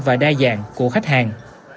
và đa dạng của khách hàng